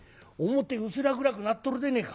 表薄ら暗くなっとるでねえか。